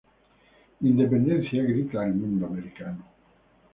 Independencia grita el mundo americano;